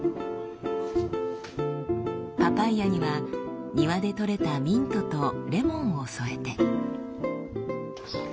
パパイヤには庭で採れたミントとレモンを添えて。